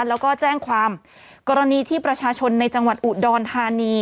แล้วก็แจ้งความกรณีที่ประชาชนในจังหวัดอุดรธานี